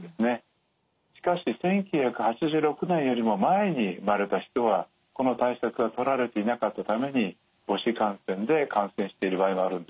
しかし１９８６年よりも前に生まれた人はこの対策はとられていなかったために母子感染で感染している場合があるんですね。